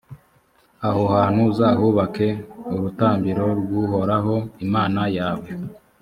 aho hantu uzahubake urutambiro rw’uhoraho imana yawe,